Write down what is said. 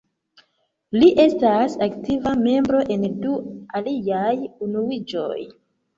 Li estas aktiva membro en du aliaj unuiĝoj.